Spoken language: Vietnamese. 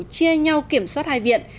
chia nhau kiểm soát hai viện